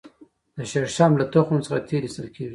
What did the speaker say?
د شړشم له تخم څخه تېل ایستل کیږي